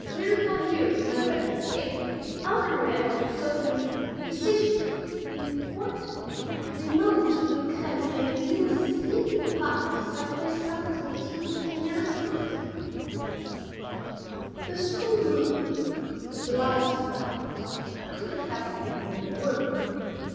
During the five years of my residence here I was never able to ascertain, with precision, in what remote locality lay the little sleeping apartment assigned to myself and some eighteen or twenty other scholars. The school room was the largest in the house I could not help thinking, in the world.